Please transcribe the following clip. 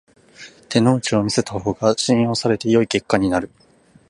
手の内を見せた方が信用され良い結果になる